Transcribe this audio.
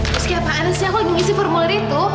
terus kira apaan sih aku lagi ngisi formulir itu